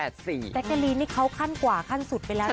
แจกเกอรีนออกมาขั้นกว่าขั้นสุด